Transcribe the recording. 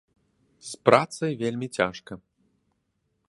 З працай вельмі цяжка.